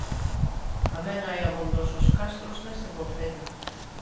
Tamén hai abondosos castros neste concello.